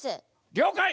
りょうかい！